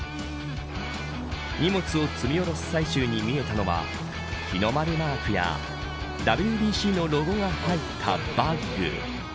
荷物を積み降ろす最中に見えたのは日の丸マークやＷＢＣのロゴが入ったバッグ。